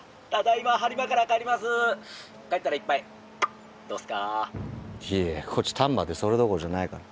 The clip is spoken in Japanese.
いやいやこっち丹波でそれどころじゃないから。